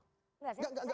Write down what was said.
enggak enggak enggak